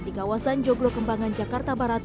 di kawasan joglo kembangan jakarta barat